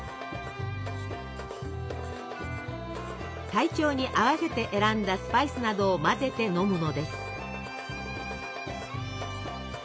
体調に合わせて選んだスパイスなどを混ぜて飲むのです。